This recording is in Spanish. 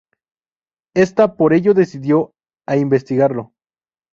Está por ello decidido a investigarlo.